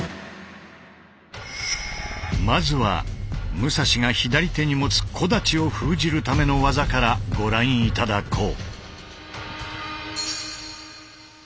まずは武蔵が左手に持つ小太刀を封じるための技からご覧頂こう。